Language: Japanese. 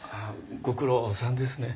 ご苦労さんですね。